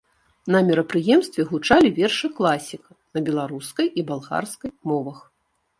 На мерапрыемстве гучалі вершы класіка на беларускай і балгарскай мовах.